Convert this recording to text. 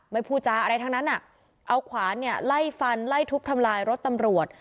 พูดจาอะไรทั้งนั้นอ่ะเอาขวานเนี่ยไล่ฟันไล่ทุบทำลายรถตำรวจ